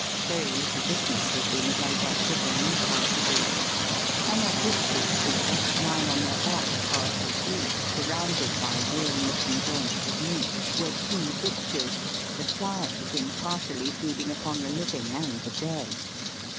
Very little business was being transacted when we passed through. On a butcher's stall, lying on their backs fast asleep, surrounded by warm looking joints of meat, were two butchers, the flies impartially feeding upon the living and the dead.